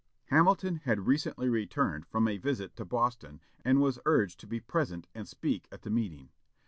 Hamilton had recently returned from a visit to Boston, and was urged to be present and speak at the meeting.